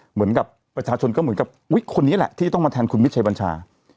เหมือนกับประชาชนก็เหมือนกับอุ๊ยคนนี้แหละที่ต้องมาแทนคุณมิชัยบัญชา